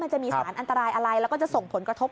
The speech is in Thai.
มันจะมีสารอันตรายอะไรแล้วก็จะส่งผลกระทบ